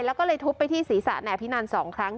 แล้วก็เลยทุบไปที่ศีรษะนายอภินัน๒ครั้ง